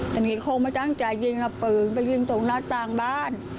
แต่นี่คงไม่ตั้งใจยิงเอาปืนไปยิงตรงหน้าต่างบ้าน